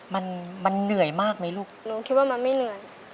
มันมันเหนื่อยมากไหมลูกหนูคิดว่ามันไม่เหนื่อย